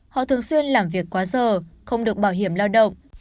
họ thường xuyên làm việc quá giờ không được bảo hiểm lao động